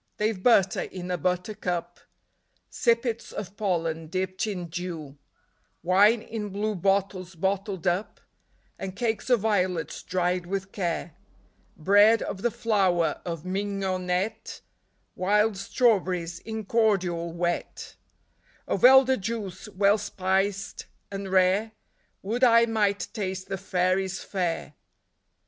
They 've butter in a butter cup ; Sippets of pollen dipped in dew ; Wine in blue bottles bottled up ; And cakes of violets dried with care ; Bread of the flour of mignonette ; Wild strawberries in cordial wet Of elder juice, well spiced and rare — Would I might taste the fairies' fare